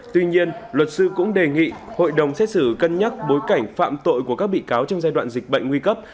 tuy nhiên luật sư cũng đề nghị hội đồng xét xử cân nhắc bối cảnh phạm tội của các bị cáo trong giai đoạn dịch bệnh nguy cấp